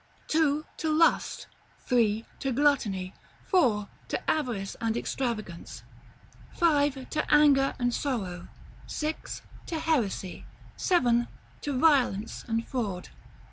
2. To Lust. 3. To Gluttony. 4. To Avarice and Extravagance. 5. To Anger and Sorrow. 6. To Heresy. 7. To Violence and Fraud.